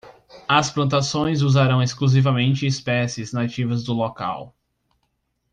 As plantações usarão exclusivamente espécies nativas do local.